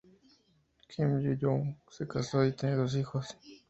Kim Ji-Young se casó y tiene dos hijos.